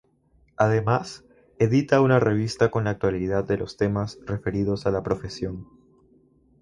Además, edita una revista con la actualidad de los temas referidos a la profesión.